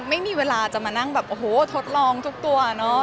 ไม่มีเวลาจะมานั่งแบบโอ้โหทดลองทุกตัวเนาะ